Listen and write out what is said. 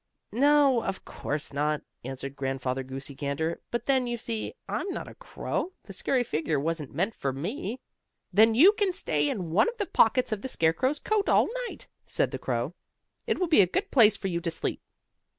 "No, of course not," answered Grandfather Goosey Gander. "But then, you see, I'm not a crow the scary figure wasn't meant for me." "Then you can stay in one of the pockets of the scarecrow's coat all night," said the crow. "It will be a good place for you to sleep."